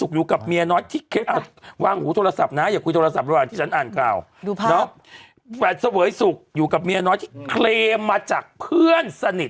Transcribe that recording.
ดูภาพแฟนเสวยสุขอยู่กับเมียน้อยที่เคลมมาจากเพื่อนสนิท